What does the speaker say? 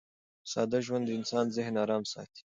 ساده ژوند د انسان ذهن ارام ساتي.